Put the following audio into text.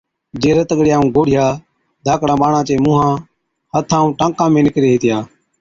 جي رت ڳڙِيا ائُون گوڙهِيا ڌاڪڙان ٻاڙان چي مُونهان، هٿان ائُون ٽانڪان ۾ نِڪري هِتِيا۔